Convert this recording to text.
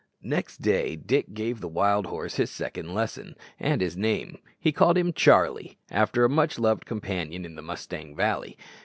Next day Dick gave the wild horse his second lesson, and his name. He called him "Charlie," after a much loved companion in the Mustang Valley.